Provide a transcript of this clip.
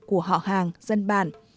của họ hàng dân bản